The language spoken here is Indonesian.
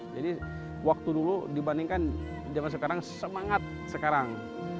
waktu dulu dibandingkan zaman sekarang semangat sekarang